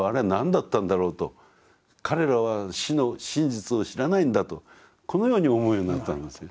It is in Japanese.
彼らは死の真実を知らないんだとこのように思うようになったんですよ。